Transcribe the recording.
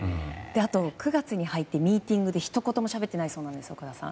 あと、９月に入ってミーティングでひと言もしゃべってないそうなんですよ岡田さん。